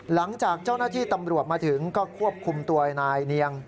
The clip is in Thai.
หลังจากเจ้าหน้าที่ตำรวจมาถึงก็ควบคุมตัวนายเนียง